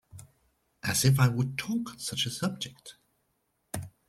As if I would talk on such a subject!